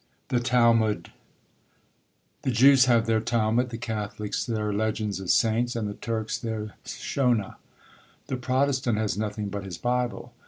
THE TALMUD. The JEWS have their TALMUD; the CATHOLICS their LEGENDS of Saints; and the TURKS their SONNAH. The PROTESTANT has nothing but his BIBLE.